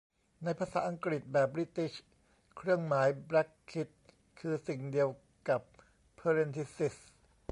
ในภาษาอังกฤษแบบบริติช เครื่องหมาย แบรคิท คือสิ่งเดียวกับเพอะเร็นธิซิซ